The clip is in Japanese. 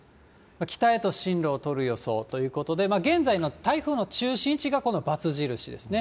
北へと進路をとる予想ということで、現在の台風の中心位置が、このばつ印ですね。